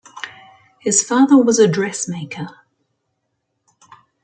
His father was a dressmaker.